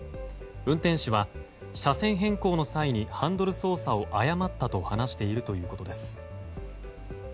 運転手は車線変更の際にハンドル操作を誤ったと話しているということです。